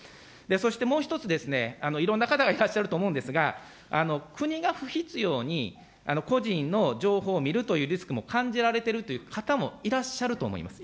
そしてもう１つ、いろんな方がいらっしゃると思うんですが、国が不必要に、個人の情報を見るというリスクも感じられてるという方もいらっしゃると思います。